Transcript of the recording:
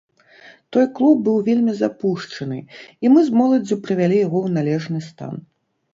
Той клуб быў вельмі запушчаны, і мы з моладдзю прывялі яго ў належны стан.